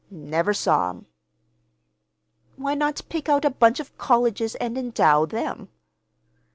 "Never saw 'em." "Why not pick out a bunch of colleges and endow them?"